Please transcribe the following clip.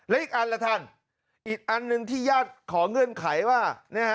และอีกอันล่ะท่านอีกอันหนึ่งที่ญาติขอเงื่อนไขว่า